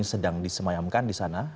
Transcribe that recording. sedang disemayamkan disana